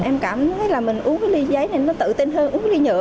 em cảm thấy là mình uống cái ly giấy nên nó tự tin hơn uống cái ly nhựa